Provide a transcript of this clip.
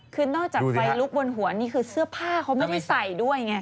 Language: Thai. คือนอกจากไฟลุกบนหัวนี่คือเสื้อผ้าเขาไม่ได้ใส่ด้วยไง